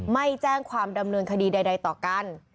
ไม่แจ้งความดำเนินคดีใดต่อกัน